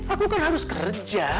aku kan harus kerja